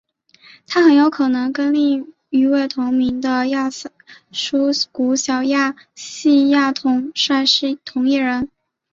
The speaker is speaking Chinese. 他很有可能跟另一位同名的塞琉古小亚细亚统帅是同一人。